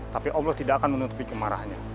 tapi allah tidak akan menutupi kemarahnya